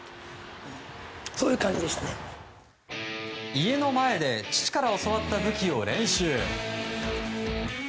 家の前で父から教わった武器を練習。